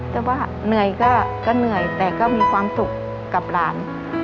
แต่ว่าเหนื่อยก็เหนื่อยแต่ก็มีความสุขกับหลาน